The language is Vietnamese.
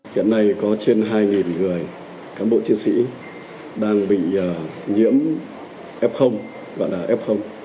công an nhân dân đang bị nhiễm f gọi là f